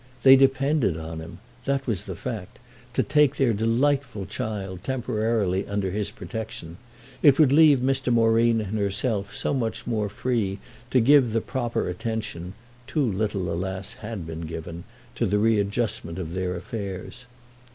They depended on him—that was the fact—to take their delightful child temporarily under his protection; it would leave Mr. Moreen and herself so much more free to give the proper attention (too little, alas! had been given) to the readjustment of their affairs.